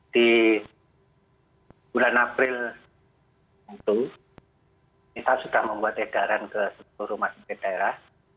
di bulan april itu kita sudah membuat edaran ke seluruh rumah sakit daerah